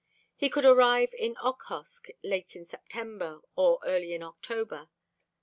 He could arrive in Okhotsk late in September or early in October.